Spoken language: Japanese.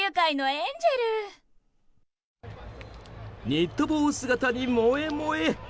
ニット帽姿に萌え萌え。